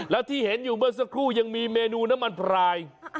แล้วที่เห็นอยู่เมื่อสักครู่ยังมีเมนูน้ำมันพราย